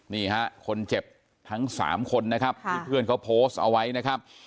นี่ฮะคนเจ็บทั้ง๓คนนะครับที่เพื่อนเขาโพสต์เอาไว้นะครับ